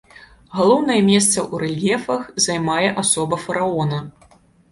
Галоўнае месца ў рэльефах займае асоба фараона.